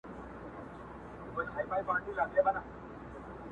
رمې به پنډي وي او ږغ به د شپېلیو راځي!.